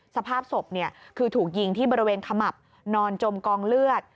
สภาพศพคือถูกยิงที่บริเวณขมับนอนจมกองเลือด